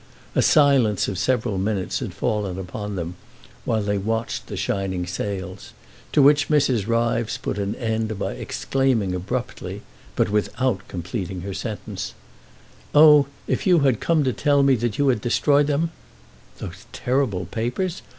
A silence of several minutes had fallen upon them while they watched the shining sails; to which Mrs. Ryves put an end by exclaiming abruptly, but without completing her sentence: "Oh, if you had come to tell me you had destroyed them—" "Those terrible papers?